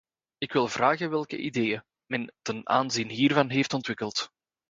Ik wil vragen welke ideeën men ten aanzien hiervan heeft ontwikkeld.